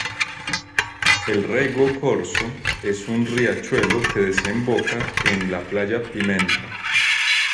El Rego Corzo es un riachuelo que desemboca en la playa Pimenta.